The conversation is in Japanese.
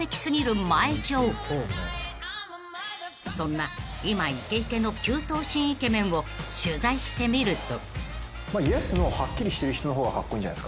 ［そんな今イケイケの９頭身イケメンを取材してみると］